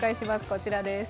こちらです。